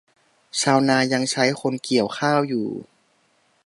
ชาวนายังใช้คนเกี่ยวข้าวอยู่